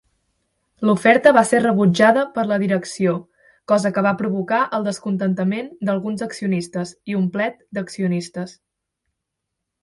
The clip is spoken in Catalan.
L'oferta va ser rebutjada per la direcció, cosa que va provocar el descontentament d'alguns accionistes i un plet d'accionistes.